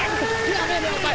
やめろお前。